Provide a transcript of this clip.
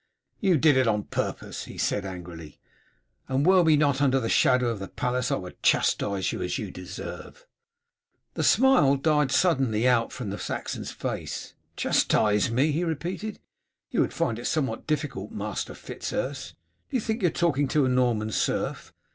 "You did it on purpose," he said angrily, "and were we not under the shadow of the palace I would chastise you as you deserve." The smile died suddenly out from the Saxon's face. "Chastise me!" he repeated. "You would find it somewhat difficult, Master Fitz Urse. Do you think you are talking to a Norman serf?